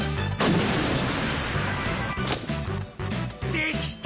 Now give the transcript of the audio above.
できた！